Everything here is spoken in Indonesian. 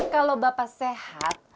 kalau bapak sehat